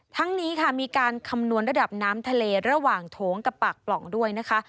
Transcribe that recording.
ทั้งนี้ค่ะมีการคำนวณระดับน้ำทะเลระหว่างโถงกับปากปล่องด้วยนะคะ